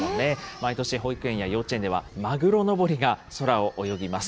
毎年、保育園や幼稚園では、マグロのぼりが空を泳ぎます。